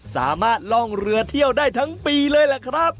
สามารถลองเรือเที่ยวได้ทั้งปีเลยแหละครับ